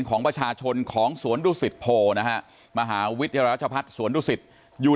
ของประชาชนของสวนดุศิษย์โพนะฮะมหาวิทยาลาชภัทรสวนดุศิษย์อยู่